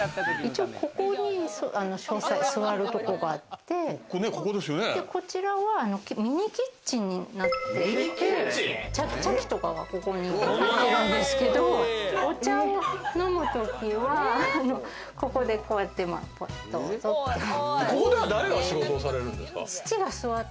ここに書斎、座るところがあってこちらはミニキッチンになっていて、茶器とかが、ここにあるんですけど、お茶を飲むときはここでこうやって、ポットを取って。